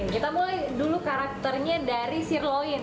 kita mulai dulu karakternya dari sirloin